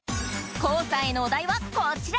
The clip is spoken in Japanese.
ＫＯＯさんへのお題はこちら！